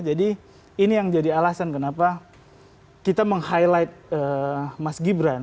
jadi ini yang jadi alasan kenapa kita meng highlight mas gibran